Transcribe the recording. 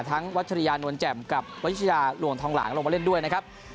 วัชริยานวลแจ่มกับวัชยาหลวงทองหลางลงมาเล่นด้วยนะครับ